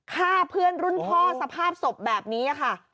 ฆ่าเพื่อนรุ่นพ่อสภาพศพแบบนี้ค่ะ